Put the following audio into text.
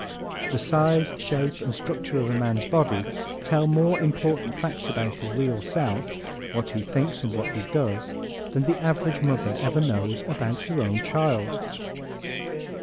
The size, shape and structure of a man's body tell more important facts about his real self what he thinks and what he does than the average mother ever knows about her own child.